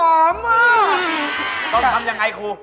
ต้องทำอย่างไรครู